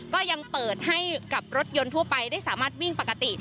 ก็ยังเปิดให้กับรถยนต์ทั่วไปได้สามารถวิ่งปกติ